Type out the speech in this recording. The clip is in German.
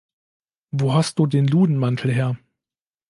Wo hast Du den Ludenmantel her?